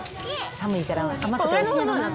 寒いから甘くて美味しいやろな。